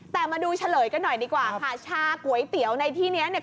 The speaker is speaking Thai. แต่มาดูเฉลยกันหน่อยดีกว่าค่ะชาก๋วยเตี๋ยวในที่เนี้ยเนี่ย